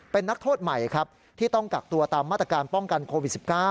เป็นนักโทษใหม่ครับที่ต้องกักตัวตามมาตรการป้องกันโควิด๑๙